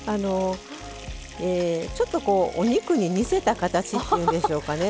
ちょっとお肉に似せた形っていうんでしょうかね。